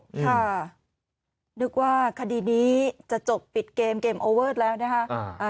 ค่ะนึกว่าคดีนี้จะจบปิดเกมเกมโอเวอร์แล้วนะคะ